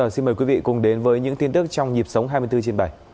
xin mời quý vị cùng đến với những tin tức trong dịp sống hai mươi bốn h bảy